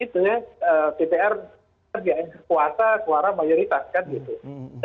dpr yang berkuasa ke arah mayoritas kan gitu